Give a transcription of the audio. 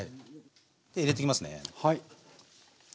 入れてきますね。